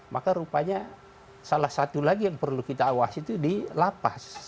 maka rupanya salah satu lagi yang perlu kita awasi itu di lapas